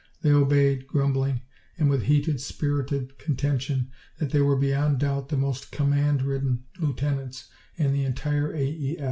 They obeyed, grumbling, and with heated, spirited contention that they were beyond doubt the most command ridden lieutenants in the entire A.E.